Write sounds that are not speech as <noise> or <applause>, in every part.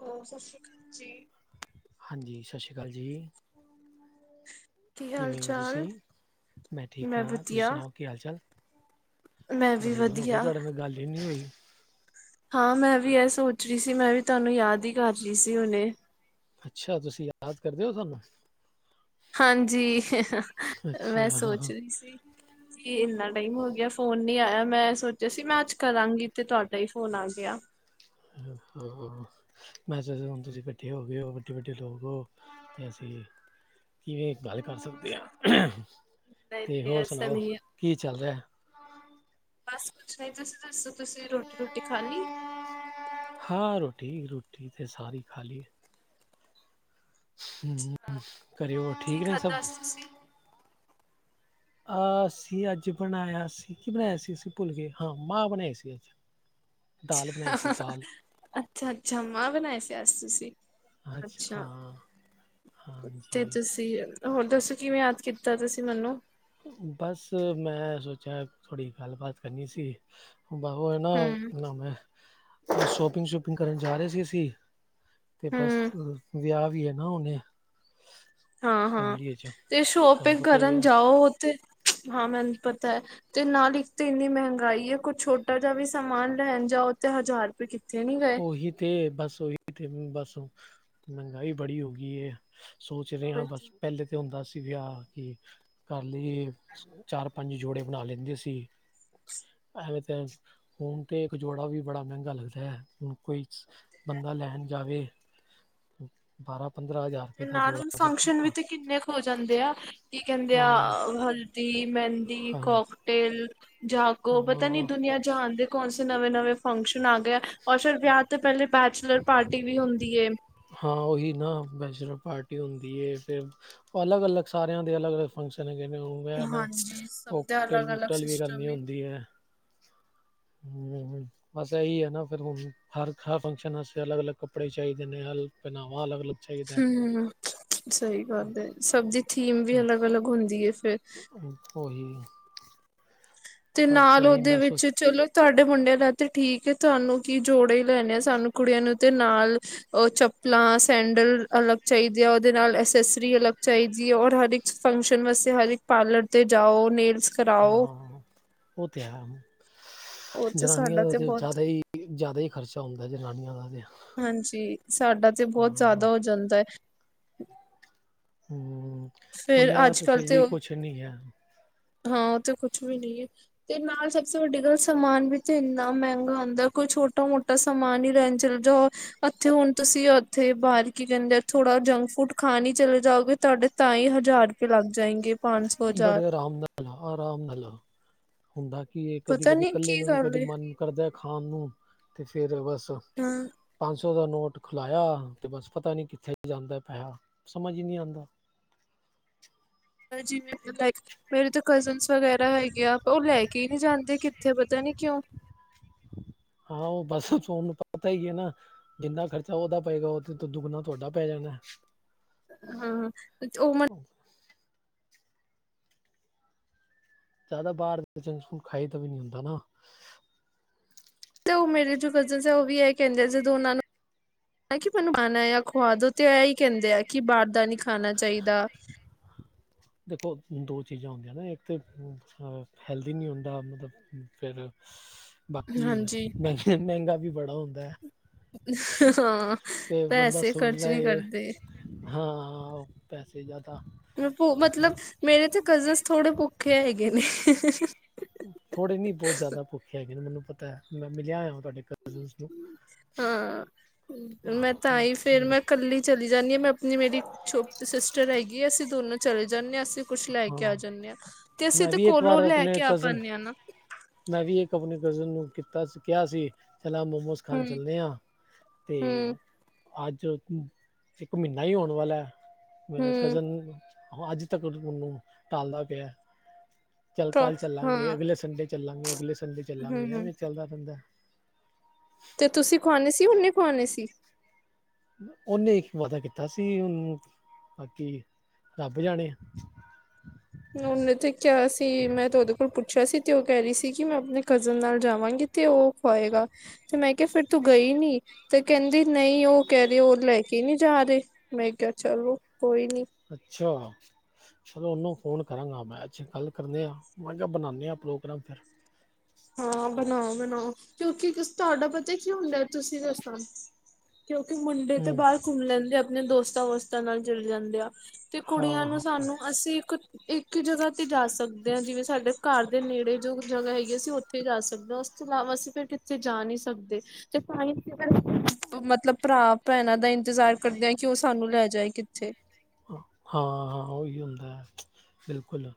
ਹੋਰ ਸਤਿ ਸ੍ਰੀ ਅਕਾਲ ਕਾਲ ਜੀ। ਹਾਂਜੀ, ਸਤਿ ਸ੍ਰੀ ਅਕਾਲ ਕਾਲ ਜੀ। ਕੀ ਹਾਲ ਕਿਵੇਂ ਹੋ ਤੁਸੀਂ? ਚਾਲ? ਮੈਂ ਠੀਕ ਹਾਂ, ਤੁਸੀਂ ਸੁਣਾਓ? ਕੀ ਹਾਲ-ਚਾਲ? ਮੈਂ ਵੀ ਬੜੇ ਦਿਨ ਹੋਗੇ ਵਧੀਆ। ਤੁਹਾਡੇ ਨਾਲ ਗੱਲ ਈ ਨੀ ਹੋਈ। ਹਾਂ, ਮੈਂ ਵੀ ਐ ਸੋਚ ਰਹੀ ਸੀ, ਮੈਂ ਵੀ ਤੁਹਾਨੂੰ ਯਾਦ ਹੀ ਕਰ ਰਹੀ ਸੀ ਹੁਣੇ। ਅੱਛਾ, ਤੁਸੀਂ ਯਾਦ ਕਰਦੇ ਹੋ ਸਾਨੂੰ। ਹਾਂਜੀ, ਅੱਛਾ, ਮੈਂ ਸੋਚ ਹਾਂ। ਰਹੀ ਸੀ। ਕੀ ਇੰਨਾ ਟਾਈਮ ਹੋ ਗਿਆ ਫੋਨ ਨੀ ਆਇਆ। ਮੈਂ ਸੋਚਿਆ ਸੀ, ਮੈਂ ਅੱਜ ਕਰਾਂਗੀ ਤੇ ਤੁਹਾਡਾ ਹੀ ਫੋਨ ਆ ਗਿਆ। ਹ ਹ ਹ ਮੈ ਸੋਚਿਆ ਹੁਣ ਤੁਸੀਂ ਵੱਡੇ ਹੋ ਗਏ ਓ, ਵੱਡੇ-ਵੱਡੇ ਲੋਗ ਓਹ। ਤੈਸੀਂ, ਕਿਵੇਂ ਬਾਏ ਕਰ ਸਕਦੇ ਹਾਂ। ਨਹੀਂ ਤੇ ਨਹੀਂ ਹੋਰ ਐਸਾ ਸੁਣਾਓ, ਨਹੀਂ ਹੈ। ਕਿ ਚੱਲ ਰਿਹਾ? ਬਸ ਕੁਛ ਨਹੀਂ। ਤੁਸੀਂ ਦੱਸੋ, ਤੁਸੀਂ ਰੋਟੀ-ਰੂਟੀ ਖਾ ਲੀ? ਹਾਂ ਰੋਟੀ, ਰੋਟੀ ਤਾਂ ਸਾਰੀ ਖਾ ਲਈ। ਹਮ, ਘਰੇ ਹੋ ਠੀਕ ਨੇ ਸਭ? ਜ <unintelligible> ਆਹਸੀ ਅੱਜ ਬਣਾਇਆ ਸੀ, ਕੀ ਬਣਾਇਆ ਸੀ ਅਸੀ ਭੁੱਲ ਕੇ ਹਾਂ ਮਾਂ ਬਣਾਈ ਸੀ ਅੱਜ। <inaudible> ਬਣਾਈ ਸੀ ਅੱਛਾ ਦਾਲ, ਅੱਛਾ, ਅੱਛਾ ਮਾਂ ਬਣਾਏ ਸੀ ਅਜ ਤੁਸੀਂ। ਅੱਛਾ, ਹਾਂਜੀ, ਤੇ ਤੁਸੀਂ। ਹੋਰ ਦੱਸੋ, ਕਿਵੇਂ ਯਾਦ ਕੀਤਾ ਤੁਸੀਂ ਮੈਨੂੰ? ਬਸ ਮੈਂ ਸੋਚਿਆ ਥੋੜ੍ਹੀ ਗੱਲ ਬਾਤ ਕਰਨੀ ਸੀ ਹੁ ਬਾਵਾ ਏ ਨਾ ਹੂੰ, ਨਾਮ ਹੈ ਥੋੜੀ ਸ਼ੋਪਿੰਗ ਸੂ਼ਪਿੰਗ ਕਰਨ ਜਾ ਰੇ ਸੀ ਅਸੀ। ਤੇ ਬਸ ਹੂੰ, ਵਿਆ ਵੀ ਏ ਨਾ ਹੁਣੇ। ਹਾਂ, ਹਾਂ, ਤੇ ਸ਼ੋਪਿੰਗ ਹੀ ਕਰਨ ਹੈ ਜਾਓ ਓਤੇ ਹਾਂ, ਮੈਨੂੰ ਪਤੈ। ਤੇ ਨਾਲ ਇੱਕ ਤੇ ਇੰਨੀ ਮੈਹੰਗਾਈ ਏ, ਕੁਛ ਛੋਟਾ ਜਾ ਵੀ ਸਮਾਨ ਲੈਣ ਜਾਓ ਤੇ ਹਜ਼ਾਰ ਫਿਰ ਕਿੱਥੇ ਨੀ ਗਏ? ਉਹੀ ਤੇ ਬਸ ਓਹੀ ਤੇ ਬਸ ਓ ਮੈੰਗਾਈ ਬੜੀ ਹੋ ਗਈ ਏ। ਸੋਚ ਰਹੇ ਹਾਂ ਬਸ ਪੈਲੇ ਤੇ ਹੁੰਦਾ ਸੀ ਵਿਆਹ ਕਿ ਕਰ ਲੀਏ। ਚਾਰ-ਪੰਜ ਜੋੜੇ ਬਣਾ ਲੈਂਦੇ ਸੀ। ਐਵੇਂ ਤੇ ਹੂਣ ਤੇ ਇੱਕ ਜੋੜਾ ਵੀ ਬੜਾ ਮੈੰਗਾ ਲੱਗਦੈ। ਹੁਣ ਕੋਈ ਬੰਦਾ ਲੈਣ ਜਾਵੇ, ਬਾਰਾਂ-ਪੰਦਰਾਂ ਹਜ਼ਾਰ ਤੇ ਰੁਪਏ ਦਾ ਨਾਲ ਹੁਣ ਜੋੜਾ ਤੇ ਫੰਕਸ਼ਨ ਵੀ ਹਾਂ ਤੇ ਕਿੰਨੇ ਹੋ ਜਾਂਦੇ ਆ ਕੀ ਕੈੰਦੇ ਆ, ਹਾਂ ਹਲਦੀ, ਮੈੰਦੀ, ਕੌਕਟੇਲ। ਜਾਗੋ ਪਤਾ ਨੀ ਹਾਂ ਦੁਨੀਆਂ ਜਹਾਣ ਦੇ ਕੌਣ ਸੇ ਨਵੇਂ-ਨਵੇਂ ਫੰਕਸ਼ਨ ਆ ਗੇ ਆ, ਔਰ ਫਿਰ ਵਿਆਹ ਤੋਂ ਪੈਲੇ ਬੈਚਲਰ ਪਾਰਟੀ ਵੀ ਹੁੰਦੀ ਏ। ਹਾਂ ਉਹੀ ਨਾ ਬੈਸ਼ਲ ਪਾਰਟੀ ਹੁੰਦੀ ਏ। ਫਿਰ ਉਹ ਅਲੱਗ, ਅਲੱਗ ਸਾਰਿਆਂ ਦੇ ਅਲੱਗ ਅਲੱਗ ਫੰਕਸ਼ਨ ਹੈਗੇ ਨੇ ਓ। ਮੈਂ ਨਾ ਹਾਂਜੀ ਸਭ ਦਾ ਕੋਕਟਲ ਅਲੱਗ-ਅਲੱਗ ਪੂਕਟਲ ਵੀ ਕਰਨੀ ਸਿਸਟਮ ਏ। ਹੁੰਦੀ ਹੈ। ਹੁੰ ਹੁੰ। ਬਸ ਇਹੀ ਹੈ ਨਾ ਫਿਰ ਹੁਣ ਹਰ ਫੰਕਸ਼ਨ ਵਸ ਅਲੱਗ- ਅਲੱਗ ਕੱਪੜੇ ਚਾਹੀਦੇ ਨੇ ਪਹਿਨਾਵਾ ਅਲੱਗ-ਅਲੱਗ। ਹੁੰ ਹੁੰ ਸਈ ਗੱਲ ਏ, ਸਭ ਦੀ ਥੀਮ ਵੀ ਅਲੱਗ-ਅਲੱਗ ਹੁੰਦੀ ਏ ਫਿਰ। ਉਹੀ। ਤੇ ਬਸ ਨਾਲ ਇਹੀ ਉਹਦੇ ਮੈਂ ਵਿੱਚ ਸੋਚ ਚਲੋ ਤਾੱਡੇ ਮੁੰਡੇ ਦਾ ਤਾਂ ਠੀਕ ਏ ਤੁਹਾਨੂੰ ਕੀ ਜੋੜੇ ਹੀ ਲੈਨੇ ਆ ਸਾਨੂੰ ਕੁੜੀਆਂ ਨੂੰ ਤੇ ਨਾਲ ਉਹ ਚੱਪਲਾਂ, ਸੈਂਡਲ, ਅਲੱਗ ਚਾਈਦੇ ਆ ਉਹਦੇ ਨਾਲ ਐਸ ਐਸ ਰੀ ਅਲਗ ਚਾਹੀਦੀ ਹੈ ਔਰ ਹਰ ਇੱਕ ਫੰਕਸ਼ਨ ਵਾਸਤੇ ਹਰ ਇੱਕ ਪਾਰਲਰ ਤੇ ਜਾਓ ਨੇਲਸ ਕਰਾਓ। ਹਾਂ ਉਹ ਤੇ ਹੈ, ਉਹ ਤੇ ਜਨਾਨੀਆਂ ਸਾਡਾ ਦਾ ਤੇ ਬਹੁਤ ਜ਼ਿਆਦਾ ਹੀ ਜ਼ਿਆਦਾ ਹੀ ਖਰਚਾ ਹੁੰਦਾ ਜਨਾਨੀਆਂ ਦਾ ਤੇ। ਹਾਂਜੀ ਸਾਡਾ ਤੇ ਬਹੁਤ ਹਾਂ ਜ਼ਿਆਦਾ ਹੋ ਜਾਂਦਾ ਐ। ਹੁੰ ਫੇਰ ਮੁੰਡਿਆਂ ਦਾ ਤੇ ਅੱਜ-ਕੱਲ ਫਿਰ ਵੀ ਉਹ ਕੁਛ ਨੀ ਹੈ। ਹਾਂ ਤੇ ਕੁਛ ਵੀ ਨਹੀਂ ਏਂ। ਤੇ ਨਾਲ ਸਭ ਸੇ ਵੱਡੀ ਗੱਲ ਸਮਾਨ ਵੀ ਤੇ ਇੰਨਾ ਮੈਂਗਾ ਆਂਦੈ ਕੋਈ ਛੋਟਾ ਮੋਟਾ ਤਾਂ ਸਮਾਨ ਹੀ ਲੈਣ ਚਲ ਜਾਓ। ਅੱਥੇ ਹੁਣ ਤੁਸੀਂ ਉੱਥੇ ਬਾਹਰ ਕੀ ਕਹਿੰਦੇ ਥੋੜਾ ਜੰਕਸ ਫੂਡ ਖਾਨੀ ਚਲੇ ਜਾਓਗੇ ਤੁਹਾਡੇ ਤਾਂ ਹੀ ਹਜ਼ਾਰ ਰੁਪਏ ਲੱਗ ਜਾਏਂਗੇ, ਪੰਜ ਸੌ ਬੜੇ ਹਜ਼ਾਰ। ਆਰਾਮ ਆਰਾਮ ਨਾਲ ਆ, ਹੁੰਦਾ ਕੀ ਇਹ ਪਤਾ ਕਦੀ-ਕਦੀ ਨੀ ਕੱਲੇ ਕੀ ਨੂੰ ਵੀ ਗੱਲ ਕਦੇ ਏ ਮਨ ਕਰਦੈ ਖਾਨ ਨੂੰ, ਤੇ ਫਿਰ ਬਸ ਹੁੰ। ਪੰਜ ਸੌ ਦਾ ਨੋਟ ਖੁਲਾਇਆ ਤੇ ਬਸ ਪਤਾ ਨੀ ਕਿੱਥੇ ਜਾਂਦਾ ਪੈਹਾ, ਸਮਝ ਹੀ ਨੀਂ ਆਂਦਾ। <unintelligible> ਜਿਵੇਂ ਲਾਈਕ ਮੇਰੇ ਤਾਂ ਕਜ਼ਨਸ ਵਗੈਰਾ ਹੈਗੇ ਆ ਉਹ ਲੈ ਕੇ ਹੀ ਨਹੀਂ ਜਾਂਦੇ ਕਿ ਉੱਥੇ ਪਤਾ ਨੀ ਕਿਉਂ ਹਾਂ, ਉਹ ਬੱਸ ਤੁਹਾਨੂੰ ਪਤਾ ਹੀਏ ਨਾ। ਜਿੰਨਾ ਖਰਚਾ ਉਹਦਾ ਪਏਗਾ, ਉਥੇ ਤੋ ਦੁਗਨਾ ਤੁਹਾਡਾ ਪੈ ਜਾਨੈ। ਹਾਂ ਉਹ ਮ <unintelligible> ਜ਼ਿਆਦਾ ਬਾਹਰ ਦਾ, ਜੰਕ ਫੂਡ ਖਾਈਦਾ ਵੀ ਨਹੀ ਹੁੰਦਾ ਨਾ। 'ਤੇ ਉਹ, ਮੇਰੇ ਜੋ ਕਜ਼ਨ ਉਹ ਵੀ ਇਹ ਕਹਿੰਦੇ ਸੇ ਦੋਨਾਂ ਨੂ ਹੈ ਕਿ ਮੈਨੂੰ ਖਾਨਾ ਯਾ, ਖਆਦੋ ਤੇ ਐ ਹੀ ਕਹਿੰਦੇ ਐ 'ਕਿ ਬਾਹਰ ਦਾ ਨਹੀ ਖਾਨਾ ਚਾਹੀਦਾ। ਦੇਖੋ, ਦੋ ਚੀਜ਼ਾਂ ਹੁੰਦੀਆਂ ਨੇ ਇੱਕ, ਤਾਂ ਹੈਲਦੀ ਨਹੀਂ ਹੁੰਦਾ ਮਤਲਬ ਫਿਰ ਬਾਕੀ ਹਾਂਜੀ ਮਹਿੰ ਮਹਿੰਗਾ ਵੀ ਬੜਾ ਹੁੰਦੈ। ਹਾਂ, ਪੈਸੇ ਖ਼ਰਚ ਨੀ ਕਰਦੇ। ਹਾਂ-ਹਾਂ, ਉਹ ਪੈਸੇ ਜ਼ਿਆਦਾ ਮਤਲਬ ਮੇਰੇ ਤੇ ਕਜ਼ਨਜ਼ ਥੋੜੇ ਭੁੱਖੇ ਹੈਗੇ ਨੇ। ਥੋੜੇ ਨੀ ਬਹੁਤ ਜ਼ਿਆਦਾ ਭੁੱਖੇ ਹੈਗੇ ਨੇ ਮੈਨੂੰ ਪਤਾ, ਮੈਂ ਮਿਲਿਆ ਹੋਇਆਂ ਤੁਹਾਡੇ ਕਜ਼ ਕਜ਼ਨਜ਼ ਨੂੰ। ਹਾਂ ਮੈਂ ਤਾਂਹੀ ਫੇਰ ਹਾਂ ਮੈਂ ਕੱਲੀ ਚਲੀ ਜਾਂਦੀ ਆਂ, ਮੈਂ ਆਪਣੀ ਮੇਰੀ ਛੋਟੀ ਸਿਸਟਰ ਹੈਗੀ ਆ, ਅਸੀਂ ਦੋਨੋਂ ਚਲੇ ਜਾਂਨੇ ਆਂ ਅਸੀਂ। ਕੁਛ ਲੈ ਕੇ ਆ ਹਾਂ ਜਾਂਨੇ ਆਂ, ਤੇ ਅਸੀਂ ਮੈਂ ਤਾਂ ਵੀ ਇੱਕ ਕੋਲੋਂ ਵਾਰ ਲੈ ਆਪਣੇ ਕੇ ਆਪ ਕਜ਼ਨ ਆਨੇ ਆਂ ਨਾ। ਮੈਂ ਵੀ ਇੱਕ ਆਪਣੇ ਕਜ਼ਨ ਨੂੰ ਕੀਤਾ ਕਿਹਾ ਸੀ, ਚਲ ਆ ਮੋਮੋਸ ਖਾਣ ਹਮ ਚੱਲਦੇ ਆਂ, ਤੇ ਹਮ ਅੱਜ ਇੱਕ ਮਹੀਨਾ ਹੀ ਹੋਣ ਵਾਲਾ ਐ, ਮੇਰੇ ਹਮ ਕਜ਼ਨ ਨੂੰ ਖਵਾ ਦਿੱਤਾ। ਓਹ ਥੋਨੂੰ ਟਾਲਦਾ ਪਿਆ। ਚੱਲ ਤਾਂ ਕੱਲ ਚੱਲਾਂਗੇ, ਹਾਂ ਅਗਲੇ ਸੰਡੇ ਚੱਲਾਂਗੇ, ਅਗਲੇ ਸੰਡੇ ਚੱਲਾਂਗੇ ਹਮ ਐਵੀਂ ਚੱਲਦਾ ਰਹਿੰਦਾ। ਤੇ ਤੁਸੀਂ ਖਵਾਣੇ ਸੀ, ਓਨੇ ਖਵਾਣੇ ਸੀ। ਉਹਨੇ ਇੱਕ ਵਾਦਾ ਕੀਤਾ ਸੀ, ਉਹਨੂੰ ਬਾਕੀ ਰੱਬ ਜਾਣੇ। ਉਹਨੇ ਤੇ ਕਿਹਾ ਸੀ, ਮੈਂ ਤੇ ਉਹਦੇ ਕੋਲੋ ਪੁੱਛਿਆ ਸੀ ਤੇ ਉਹ ਕਹਿ ਰਹੀ ਸੀ, ਕਿ ਮੈਂ ਆਪਣੇ ਕਜ਼ਨ ਨਾਲ ਜਾਵਾਂਗੀ। ਤੇ ਉਹ ਖੁਆਏਗਾ, ਤੇ ਮੈਂ ਕਿਹਾ ਫੇਰ ਤੂੰ ਗਈ ਨੀ। ਤੇ ਕਹਿੰਦੀ ਨਹੀਂ ਉਹ ਕਹਿ ਰਹੇ ਉਹ ਲੈ ਕੇ ਨਹੀ ਜਾ ਰਹੇ, ਮੈਂ ਕਿਹਾ ਚਲੋ ਕੋਈ ਨੀ। ਅੱਛਾ। ਚਲੋ ਉਹਨੂੰ ਫੋਨ ਕਰਾਂਗਾ ਮੈ ਅੱਜ ਗੱਲ ਕਰਨੇ ਹਾਂ, ਮੈਂ ਕਿਹਾ ਬਣਾਨੇ ਆਂ ਪ੍ਰੋਗਰਾਮ ਫੇਰ। ਹਾਂ ਬਣਾਓ-ਬਣਾਓ, ਕਿਉਂਕਿ ਤੁਹਾਡਾ ਪਤਾ ਕੀ ਹੁੰਦਾ ਤੁਸੀਂ ਦੱਸਣਾ ਕਿਉਂਕਿ ਮੁੰਡੇ ਤੇ ਹੂੰ ਬਾਹਰ ਘੁੰਮ ਲੈਂਦੇ ਆ, ਆਪਣੇ ਦੋਸਤਾਂ ਵੋਸਤਾਂ ਨਾਲ ਚਲੇ ਜਾਂਦੇ ਆ, ਤੇ ਹਾਂ ਕੁੜੀਆਂ ਨੂੰ ਹਾਂ ਸਾਨੂੰ ਅਸੀਂ ਇੱਕ ਇੱਕ ਜਗ੍ਹਾ ਤੇ ਜਾ ਸਕਦੇ ਆਂ, ਜਿਵੇਂ ਸਾਡੇ ਘਰ ਦੇ ਨੇੜੇ ਜੋ ਜਗ੍ਹਾ ਹੈਗੀ, ਅਸੀਂ ਓਥੇ ਜਾ ਸਕਦੇ, ਉਸ ਤੋਂ ਇਲਾਵਾ ਅਸੀਂ ਫਿਰ ਕਿੱਥੇ ਜਾ ਨੀ ਸਕਦੇ। ਤੇ ਸਾਇੰਸ ਚ, ਓਹ ਮਤਲਬ ਭਰਾ ਭੈਣਾਂ ਦਾ ਇੰਤਜ਼ਾਰ ਕਰਦੇ ਐ, ਕਿ ਉਹ ਸਾਨੂੰ ਲੈ ਜਾਏ ਕਿੱਥੇ। ਹਾਂ-ਹਾਂ, ਉਹੀ ਹੁੰਦਾ ਬਿਲਕੁਲ,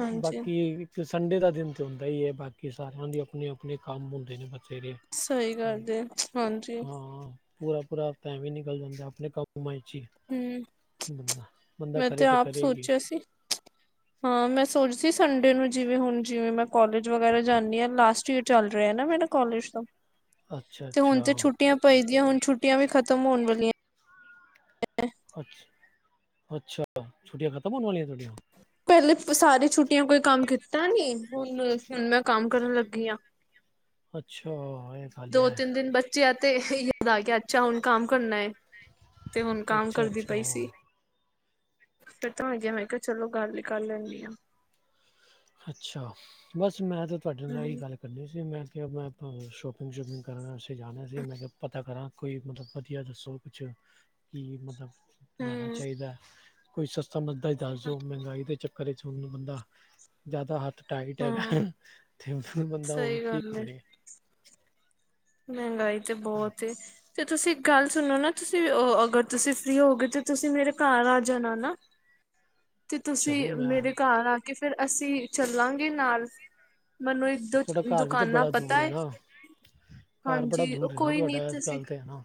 ਹਾਂਜੀ ਬਾਕੀ ਤੇ ਸੰਡੇ ਦਾ ਦਿਨ ਤਾਂ ਹੁੰਦਾ ਹੀ ਐ, ਬਾਕੀ ਸਾਰਿਆਂ ਦੇ ਆਪਣੇ-ਆਪਣੇ ਕੰਮ ਹੁੰਦੇ ਨੇ ਬਚੇ ਦੇ। ਸਹੀ ਗੱਲ ਜੇ ਹਾਂਜੀ ਹਾਂ, ਪੂਰਾ-ਪੂਰਾ ਹਫ਼ਤਾ ਐਵੀਂ ਨਿਕਲ ਜਾਂਦਾ, ਆਪਣੇ ਕੰਮਾਂ ਚ ਈ। ਹੂੰ, ਮੈਂ ਤੇ ਕਰੇ ਆਪ ਕਰੇਗੀ ਸੋਚਿਆ ਸੀ। ਹਾਂ, ਮੈਂ ਸੋਚਦੀ ਸੰਡੇ ਨੂੰ ਜਿਵੇਂ ਹੁਣ ਜਿਵੇਂ ਮੈਂ ਕੋਲਜ ਵਗੈਰਾ ਜਾਂਨੀ ਆਂ, ਲਾਸਟ ਈਅਰ ਚੱਲ ਰਿਹਾ ਨਾ ਮੇਰਾ ਕਾਲਜ ਤੋਂ, ਅੱਛਾ ਤੇ ਹੁਣ ਅੱਛਾ ਤੇ ਛੁੱਟੀਆਂ ਪਈਦੀਆਂ, ਹੁਣ ਛੁੱਟੀਆਂ ਵੀ ਖਤਮ ਹੋਣ ਵਾਲੀਆਂ। <unintelligible> ਅੱਛਾ-ਅੱਛਾ, ਛੁੱਟੀਆਂ ਖਤਮ ਹੋਣ ਵਾਲੀਆਂ ਤੁਹਾਡੀਆਂ। ਪਹਿਲੇ ਸਾਰੀ ਛੁੱਟੀਆਂ ਕੋਈ ਕੰਮ ਕੀਤਾ ਨੀ, ਹੁਣ ਮੈਂ ਕੰਮ ਕਰਨ ਲੱਗੀ ਆਂ। ਅੱਛਾ ਐ। ਦੋ ਤਿੰਨ ਦਿਨ ਬੱਚਿਆਂ ਤੇ ਇਹੀ, <inaudible> ਅੱਛਾ ਹੁਣ ਕੰਮ ਕਰਨਾ ਏ। ਤੇ ਹੁਣ ਕੰਮ ਅੱਛਾ ਕਰਦੀ ਅੱਛਾ ਪਈ ਸੀ। ਫਰੀ ਤਾਂ ਹੈਗੀ ਆ, ਮੈਂ ਕਿਹਾ ਚਲੋ ਗੱਲ ਹੀ ਕਰ ਲੈਨੀ ਆਂ। ਅੱਛਾ, ਬਸ ਮੈਂ ਤੇ ਤੁਹਾਡੇ ਹੂੰ ਨਾਲ ਇਹੀ ਗੱਲ ਕਰਨੀ ਸੀ, ਮੈਂ ਕਿਹਾ ਮੈਂ ਤਹਾਨੂੰ ਸ਼ੋਪਿੰਗ ਸ਼ੂਪਿੰਗ ਕਰਨ ਵਾਸਤੇ ਜਾਣਾ ਸੀ, ਮੈਂ ਕਿਹਾ ਪਤਾ ਕਰਾਂ ਕੋਈ ਮਤਲਬ ਵਦੀਆ ਜਾ ਸੂਟ ਕੁੱਛ ਲੀ ਮਤਲਬ ਹੂੰ ਲੈਣਾ ਚਾਹੀਦਾ, ਕੋਈ ਸਸਤਾ ਮੰਦਾ ਹੀ ਦੱਸ ਦੋ, ਮਹਿੰਗਾਈ ਦੇ ਚੱਕਰ ਵਿਚ ਹੁਣ ਬੰਦਾ ਜ਼ਿਆਦਾ ਹੱਥ ਟਾਈਟ ਹੂੰ ਹੈਗਾ, ਤੇ ਬੰਦਾ ਹੁਣ ਸਹੀ ਕੀ ਗੱਲ ਏ ਕਰੇ। ਮਹਿੰਗਾਈ ਤੇ ਬਹੁਤ ਏ, ਤੇ ਤੁਸੀਂ ਗੱਲ ਸੁਣੋ ਨਾ ਤੁਸੀਂ ਅਗਰ ਤੁਸੀਂ ਫ੍ਰੀ ਹੋਗੇ, ਤੇ ਤੁਸੀਂ ਮੇਰੇ ਘਰ ਆ ਜਾਣਾ ਨਾ। ਤੇ ਤੁਸੀਂ ਚਲੋ ਮੈਂ ਮੇਰੇ ਘਰ ਆ ਫਿਰ ਅਸੀਂ ਚੱਲਾਂਗੇ ਨਾਲ, ਮੈਨੂੰ ਇੱਕ ਦੋ ਤੁਹਾਡਾ ਘਰ ਵੀ ਤਾਂ ਦੁਕਾਨਾਂ ਬੜਾ ਪਤਾ ਦੂਰ ਹੈ ਏ ਨਾ ਘਰ ਬੜਾ ਦੂਰ ਹੇ ਨਾ, ਨੀ ਤੁਹਾਡਾ ਇਸ ਤੁਸੀਂ ਗਲ ਤੇ ਹਾ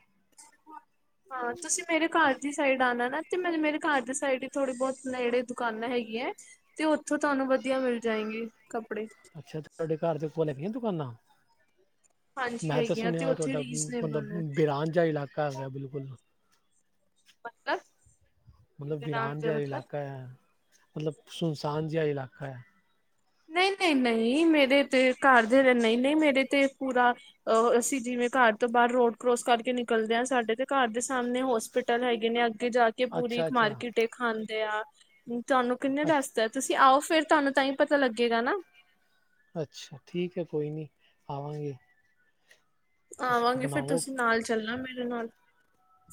ਹਾਂ ਤੁਸੀਂ ਮੇਰੇ ਘਰ ਦੀ ਸਾਈਡ ਆਣਾ ਨਾ ਤੇ ਮਤਲਬ ਮੇਰੇ ਘਰ ਦੇ ਸਾਈਡ ਥੋੜੀ ਬਹੁਤ ਨੇੜੇ ਦੁਕਾਨਾਂ ਹੈਗੀਆਂ ਏ ਤੇ ਉਥੋ ਤੁਹਾਨੂੰ ਵਧੀਆ ਮਿਲ ਜਾਏਂਗੇ ਕੱਪੜੇ। ਅੱਛਾ, ਤੁਹਾਡੇ ਘਰ ਦੇ ਕੋਲ ਹੈਗੀਆਂ ਦੁਕਾਨਾਂ। ਹਾਂਜੀ ਮੈਂ ਤਾਂ ਹੈਗੀਆਂ ਤੇ ਸੁਣਿਆ, ਉਹ ਉੱਥੇ ਤੁਹਾਡਾ ਮਤਲਬ ਰੀਜ਼ਨੇਬਲ ਨੇ ਬਿਰਾਨ ਜਾ ਇਲਾਕਾ ਹੈਗਾ ਬਿਲਕੁਲ ਮਤਲਬ ਮਤਲਬ ਆਰਾਮ ਵੀਰਾਨ ਦੇ ਜਿਹਾ ਮਤਲਬ ਇਲਾਕਾ ਏ। ਮਤਲਬ, ਸੁਨਸਾਨ ਜਿਹਾ ਇਲਾਕਾ ਹੈ। ਨਹੀਂ, ਨਹੀਂ, ਨਹੀਂ ਮੇਰੇ ਤੇ ਘਰ ਦੇ ਨਹੀਂ, ਨਹੀਂ ਮੇਰੇ ਤੇ ਪੂਰਾ ਅਹ, ਅਸੀਂ ਜਿਵੇਂ ਘਰ ਤੋਂ ਬਾਹਰ ਰੋਡ ਕਰੋਸ ਕਰਕੇ ਨਿਕਲਦੇ ਹਾਂ। ਸਾਡੇ ਤੇ ਘਰ ਦੇ ਸਾਹਮਣੇ ਹੋਸਪਿਟਲ ਟ <unintelligible> ਹੈ ਕੇ ਨਹੀ ਅੱਗੇ ਜਾ ਕੇ ਕਿ ਪੂਰੀ ਅੱਛਾ ਇੱਕ ਅੱਛਾ ਮਾਰਕੀਟ ਏ ਖਾਂਦੇਆ। ਤੁਹਾਨੂੰ ਕਿੰਨੇ ਅੱਛਾ ਦਸਤਾ ਤੁਸੀਂ ਆਓ ਫਿਰ ਤੁਹਾਨੂੰ ਤਾਂਹੀ ਪਤਾ ਲੱਗੇਗਾ ਨਾ। ਅੱਛਾ ਠੀਕ ਹੈ ਕੋਈ ਨਹੀਂ ਆਵਾਂਗੇ ਤੁਸੀਂ ਆਵਾਂਗੇ ਫਿਰ ਬਣਾਓ ਤੁਸੀਂ ਨਾਲ ਚੱਲਣਾ ਮੇਰੇ ਨਾਲ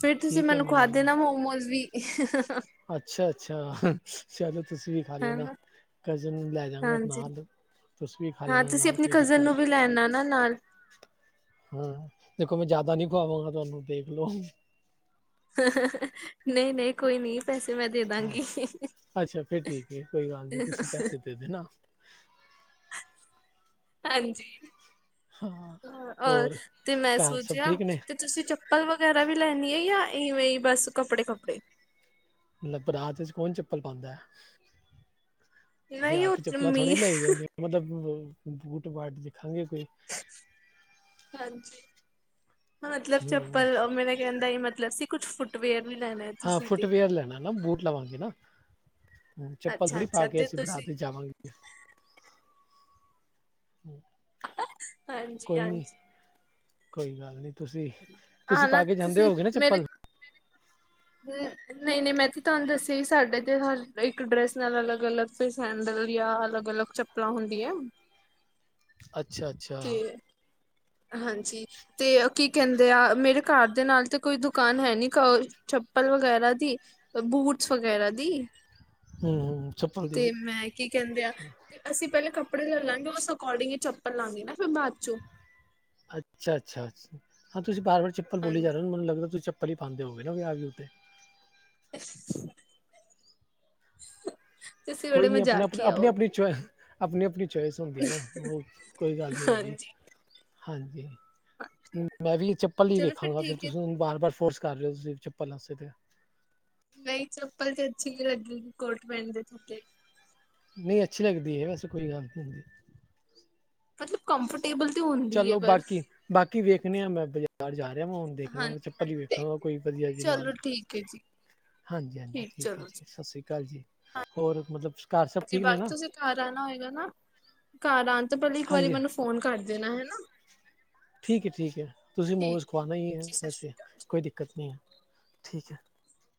ਫਿਰ ਤੁਸੀਂ ਠੀਕ ਹੈ ਮੈਨੂੰ ਖਵਾ ਮੈਂ ਦੇਣਾ ਮੋਮੋਸ ਵੀ ਅੱਛਾ ਅੱਛਾ ਚਲੋ ਤੁਸੀਂ ਵੀ ਖਾ ਲੈਣਾ ਹਨਾ ਕਜ਼ਨ ਨੂੰ ਲੈ ਜਾਂਗਾ ਹਾਂਜੀ ਨਾਲ ਤੁਸੀਂ ਵੀ ਖਾ ਹਾਂ ਲੈਣਾ ਤੁਸੀਂ ਨਾਲ ਆਪਣੀ ਕੋਈ ਕਜ਼ਨ ਦਿੱਕਤ ਨੂੰ ਵੀ ਲੈਣਾ ਨਾ ਨਾਲ <unintelligible> ਹਾਂ ਦੇਖੋ ਮੈਂ ਜਿਆਦਾ ਨਹੀਂ ਖਵਾਵਾਂਗਾ ਤੁਹਾਨੂੰ ਦੇਖ ਲਓ ਨਹੀਂ ਨਹੀਂ ਕੋਈ ਨਹੀਂ ਪੈਸੇ ਮੈਂ ਦੇ ਹਾਂ ਦਾਂਗੀ ਅੱਛਾ ਫਿਰ ਠੀਕ ਹੈ ਕੋਈ ਗੱਲ ਨਹੀਂ ਤੁਸੀਂ ਪੈਸੇ ਦੇ ਦੇਨਾ ਹਾਂਜੀ ਹਾਂ ਹੋਰ ਤੇ ਮੈਂ ਘਰ ਸਭ ਸੋਚਿਆ ਠੀਕ ਨੇ ਤੁਸੀਂ ਚੱਪਲ ਵਗੈਰਾ ਵੀ ਲੈਣੀ ਹੈ ਜਾਂ ਇਵੇਂ ਹੀ ਬੱਸ ਕੱਪੜੇ ਕੱਪੜੇ ਬਰਾਤ ਚ ਕੌਣ ਚੱਪਲ ਪਾਉਂਦਾ ਹੈ ਨਹੀਂ ਵਿਆਹ ਚ ਉਹ ਚੱਪਲਾਂ ਥੋੜੀ ਮੀ ਲਿਆਂਦੀਆਂ ਹੁੰਦੀਆਂ ਮਤਲੱਬ ਬੂਟ ਬਾਟ ਦੇਖਾਂਗੇ ਕੋਈ ਹਾਂਜੀ ਮਤਲਬ ਹਮ ਚਪਲ ਮੇਰਾ ਕਹਿਣ ਦਾ ਇਹੀ ਮਤਲੱਬ ਕੁੱਛ ਫੁੱਟਵੇਅਰ ਵੀ ਲੈਣੇ ਹਾਂ ਫੁੱਟਵੇਅਰ ਲੈਣਾ ਨਾ ਬੂਟ ਲਵਾਂਗੇ ਨਾ ਹੁਣ ਚੱਪਲ ਅੱਛਾ ਥੋੜ੍ਹੀ ਪਾ ਅੱਛਾ ਕੇ ਅਸੀਂ ਬਰਾਤ ਤੁਸੀਂ ਤੇ ਜਾਵਾਂਗੇ ਹ <unintelligible> ਹਾਂਜੀ ਕੋਈ ਨੀ ਹਾਂਜੀ ਕੋਈ ਗੱਲ ਨੀ ਤੁਸੀਂ ਹਾਂ ਤੁਸੀਂ ਨਾ ਪਾ ਕੇ ਜਾਂਦੇ ਹੋਗੇ ਨਾ ਚੱਪਲ ਹਮ <unintelligible> ਨਹੀਂ ਨਹੀਂ ਮੈਂ ਤੇ ਤੁਹਾਨੂੰ ਦੱਸਿਆ ਸੀ ਸਾਡੇ ਤੇ ਹਰ ਇੱਕ ਡਰੈਸ ਨਾਲ ਅਲੱਗ ਅਲੱਗ ਸੈਂਡਲ ਜਾਂ ਅਲੱਗ ਅਲੱਗ ਚੱਪਲ ਤਾਂ ਹੁੰਦੀਆਂ ਅੱਛਾ ਅੱਛਾ ਹਮ ਠੀਕ ਹੈ ਹਾਂਜੀ ਤੇ ਕੀ ਕਹਿੰਦੇ ਆ ਮੇਰੇ ਘਰ ਦੇ ਨਾਲ ਤੇ ਕੋਈ ਦੁਕਾਨ ਹੈ ਨੀ ਚੱਪਲ ਵਗੈਰਾ ਦੀ ਬੂਟਸ ਵਗੈਰਾ ਦੀ ਹਮ, ਚੱਪਲ ਦੀ ਤੇ ਮੈਂ ਕੀ ਕਹਿੰਦੇ ਆ ਤੇ ਅਸੀਂ ਪਹਿਲੇ ਕੱਪੜੇ ਲੈ ਲਾਂਗੇ ਉਸ ਅਕੋਡਿੰਗ ਹੀ ਚੱਪਲ ਲਵਾਂਗੇ ਨਾ ਫਿਰ ਬਾਅਦ ਚੋਂ ਅੱਛਾ ਅੱਛਾ ਹਾਂ ਤੁਸੀਂ ਵਾਰ ਚੱਪਲ ਬੋਲੀ ਜਾ ਹਾਂਜੀ ਰਹੇ ਮੈਨੂੰ ਲੱਗਦਾ ਤੁਸੀ ਚੱਪਲ ਹੀ ਪਾਉਂ ਹੋਗੇ ਨਾ ਵਿਆਹ ਉੱਤੇ ਤੁਸੀਂ ਕੋਈ ਬੜੇ ਨੀ ਆਪਣੇ ਆਪ ਮਜ਼ਾਕੀਆ ਆਪਣੀ ਹੋ ਆਪਣੀ ਆਪਣੀ ਆਪਣੀ ਚੁਆਇਸ ਹੁੰਦੀ ਨਾ ਉਹ ਕੋਈ ਗੱਲ ਨਹੀਂ ਹੁੰਦੀ ਹਾਂਜੀ ਹਾਂਜੀ ਮੈਂ ਵੀ ਇਹ ਚਪਲੀ ਚਲੋ ਵੇਖਾਂਗਾ ਫਿਰ ਠੀਕ ਹੈ ਤੁਸੀਂ ਨੂੰ ਬਾਰ ਬਾਰ ਫੋਰਸ ਕਰ ਰਹੇ ਹੋ ਤੁ ਚੱਪਲਾ ਸਕ ਤਾਂ ਨਹੀਂ ਚੱਪਲ ਤੇ ਅੱਛੀ ਨ ਲੱਗੇਗੀ ਕੋਟ ਪੈਣ ਦੇ ਥੱਲੇ ਨਹੀਂ ਅੱਛੀ ਲਗਦੀ ਹੈ ਵੈਸੇ, ਕੋਈ ਗ਼ਲਤ ਨਹੀਂ ਹੁੰਦੀ ਮਤਲੱਬ ਕੰਫਰਟ ਟੇਬਲ ਤੇ ਹੋ ਚਲੋ ਬਾਕੀ, ਬਾਕੀ ਵੇਖਦੇ ਆ ਬਾਹਰ ਜਾ ਰਿਹਾ ਵੈਂ ਹੁਣ, ਦੇਖਣਾ ਹਾਂਜੀ ਚੱਪਲ ਹਾਂਜੀ ਹੀ ਵੇਖਣਾ ਵਾ ਦੇਖਦੇ ਹਾਂ। ਕੋਈ ਵਧੀਆ ਜੀ ਨਾਲ ਚਲੋ ਠੀਕ ਹੈ ਜੀ- ਹਾਂਜੀ ਹਾਂਜੀ ਠੀਕ ਹੈ ਜੀ, ਸਤਿ ਸ੍ਰੀ ਅਕਾਲ ਜੀ। ਹੋਰ ਮਤਲੱਬ ਜੀ ਬਸ ਤੁਸੀਂ ਘਰ ਆਣਾ ਹੋਏਗਾ ਨਾ, ਘਰ ਆਉਣ ਤੋਂ ਪਹਿਲਾਂ ਇੱਕ ਵਾਰੀ ਹਾਂਜੀ ਮੈਨੂੰ ਫੋਨ ਕਰ ਦੇਣਾ ਹੈਣਾ ਠੀਕ ਹੈ ਠੀਕ ਹੈ, ਤੁਸੀਂ ਠੀਕ ਮੋਮੋਜ਼ ਖਵਾਣੇ ਹੀ ਹੈ ਜੀ ਸਤਿ ਸ਼੍ਰੀ ਵੈਸੇ ਅਕਾਲ ਕੋਈ ਦਿੱਕਤ ਨਹੀਂ ਹੈ, ਠੀਕ ਹੈ